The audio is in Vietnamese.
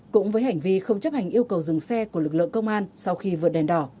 cũng với hành vi không chấp hành yêu cầu dừng xe của lực lượng công an sau khi vượt đèn đỏ